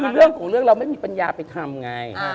เรื่องเรียกเราไม่มีพัญญาไปทำง่าย